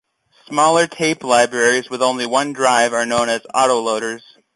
Smaller tape libraries with only one drive are known as autoloaders.